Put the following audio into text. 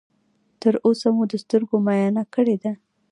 تر اوسه مو د سترګو معاینه کړې ده؟